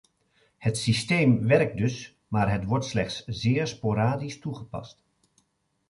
Het systeem werkt dus, maar het wordt slechts zeer sporadisch toegepast.